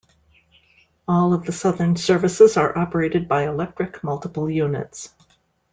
All of the Southern services are operated by electric multiple-units.